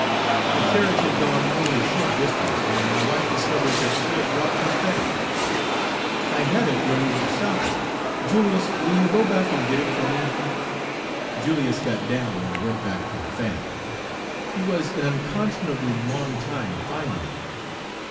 The carriage had gone only a short distance when my wife discovered that she had dropped her fan. "I had it where we were stopping. Julius, will you go back and get it for me?" Page 228 Julius got down and went back for the fan. He was an unconscionably long time finding it.